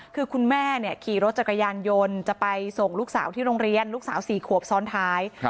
คือคุณแม่ขี่รถจักรยานยนต์จะไปส่งลูกสาวที่โรงเรียนลูกสาว๔ขวบซ้อนท้าย